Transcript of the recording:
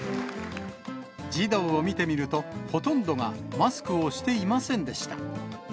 児童を見てみると、ほとんどがマスクをしていませんでした。